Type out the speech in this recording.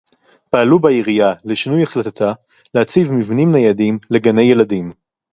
פעלו בעירייה לשינוי החלטתה להציב מבנים ניידים לגני-ילדים